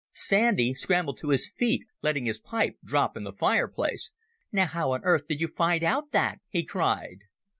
Sandy scrambled to his feet, letting his pipe drop in the fireplace. "Now how on earth did you find out that?" he cried.